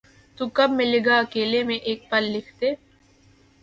تو کب ملے گا اکیلے میں ایک پل لکھ دے